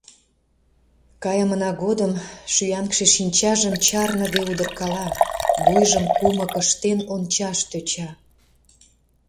Кайымына годым шӱяҥше шинчажым чарныде удыркала, вуйжым кумык ыштен ончаш тӧча.